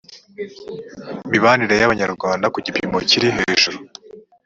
mibanire y abanyarwanda ku gipimo kiri hejuru